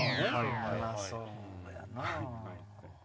そうやなぁ。